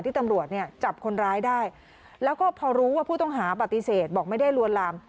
ตำรวจเนี่ยจับคนร้ายได้แล้วก็พอรู้ว่าผู้ต้องหาปฏิเสธบอกไม่ได้ลวนลาม